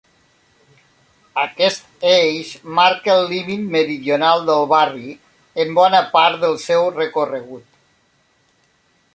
Aquest eix marca el límit meridional del barri en bona part del seu recorregut.